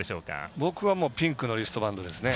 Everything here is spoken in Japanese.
僕はピンクのリストバンドですね。